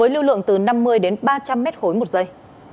với lưu lượng từ năm mươi đến ba trăm linh mét khối một giây